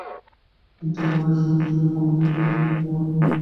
মাঠ থেকে বেরোনোর সময়ও জিবে কামড় দিতে দেখা গিয়েছিল মার্টিন দেমিচেলিসকে।